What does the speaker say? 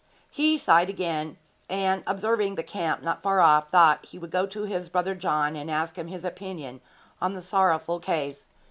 He sighed again, and, observing the camp not far off, thought he would go to his brother John and ask him his opinion on the sorrowful case.